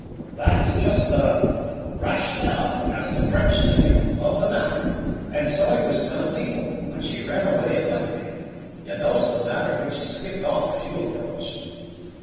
"That's just the rationale, as the French say, of the matter; and so I was telling Mabel, when she ran away and left me. You noticed the manner in which she skipped off as you approached?"